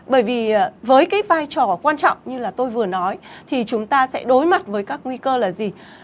bởi vì với cái vai trò quan trọng như là tôi vừa nói thì chúng ta sẽ đối mặt với các nguy cơ là gì